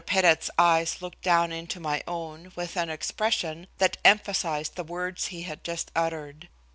Pettit's eyes looked down into my own with an expression that emphasized the words he had just uttered.